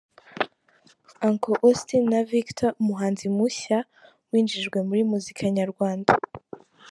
Uncle Austin na Victor umuhanzi mushya winjijwe muri muzika nyarwanda.